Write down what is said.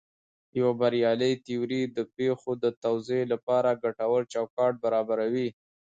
یوه بریالۍ تیوري د پېښو توضیح لپاره ګټور چوکاټ برابروي.